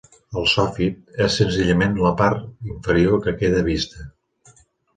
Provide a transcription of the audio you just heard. El sofit és senzillament la part inferior que queda vista.